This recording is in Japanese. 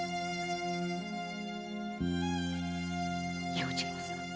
要次郎さん。